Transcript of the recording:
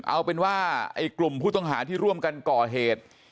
เอาเป็นว่าไอ้กลุ่มผู้ต้องหาที่ร่วมกันก่อเหตุ